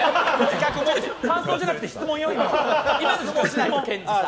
感想じゃなくて質問よ、今。